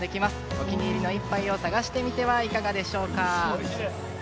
お気に入りの１杯を探してみてはいかがでしょうか。